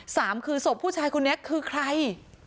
สามคือศพผู้ชายคนนี้คือใคร